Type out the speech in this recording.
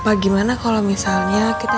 bagaimana kalau misalnya kita